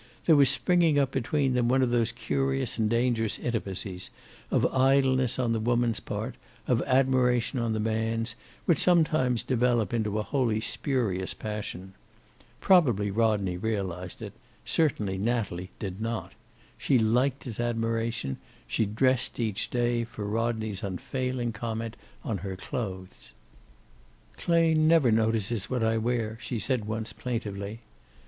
There was springing up between them one of those curious and dangerous intimacies, of idleness on the woman's part, of admiration on the man's, which sometimes develop into a wholly spurious passion. Probably Rodney realized it; certainly Natalie did not. She liked his admiration; she dressed, each day, for Rodney's unfailing comment on her clothes. "Clay never notices what I wear," she said, once, plaintively.